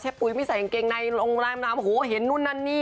ปุ๋ยไม่ใส่กางเกงในโรงแรมโอ้โหเห็นนู่นนั่นนี่